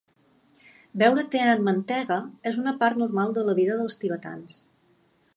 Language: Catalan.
Beure te amb mantega és una part normal de la vida dels tibetans.